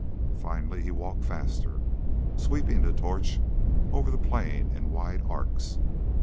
Finally he walked faster, sweeping the torch over the plain in wide arcs.